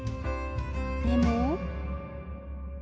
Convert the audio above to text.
でも。